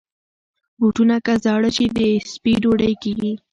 بوټونه که زاړه شي، د سپي ډوډۍ کېږي.